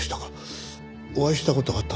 お会いした事があったんですね。